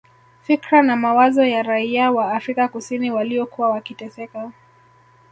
Fikra na mawazo ya raia wa Afrika kusini waliokuwa wakiteseka